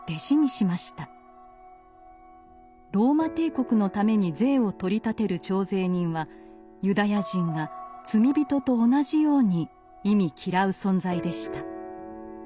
ローマ帝国のために税を取り立てる徴税人はユダヤ人が罪人と同じように忌み嫌う存在でした。